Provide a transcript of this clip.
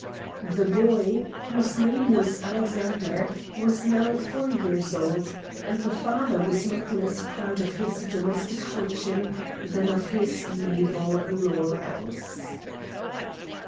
The boy, whose name was Alexander, was now four years old, and the father was not less proud of his domestic fortune than of his naval laurels.